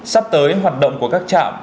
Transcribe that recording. sắp tới hoạt động của các trạm